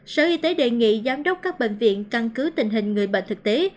sở y tế đề nghị giám đốc các bệnh viện căn cứ tình hình người bệnh thực tế